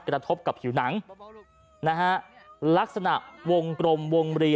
กระทบกับผิวหนังนะฮะลักษณะวงกลมวงรี